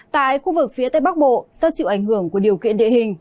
tại khu vực phía tây bắc bộ do chịu ảnh hưởng của điều kiện địa hình